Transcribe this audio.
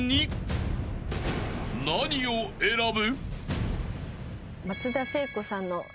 ［何を選ぶ？］